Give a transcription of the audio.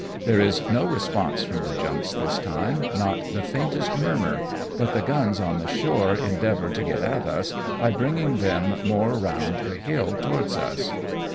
There is no response from the junks this time, not the faintest murmur, but the guns on the shore en deavour to get at us by bringing them more round the hill towards us.